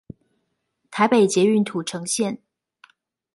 臺北捷運土城線